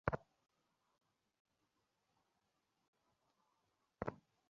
আমি যদি পরিবর্তিত হই, তবে বাহ্যজগৎও পরিবর্তিত হইবে।